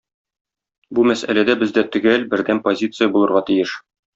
Бу мәсьәләдә бездә төгәл, бердәм позиция булырга тиеш.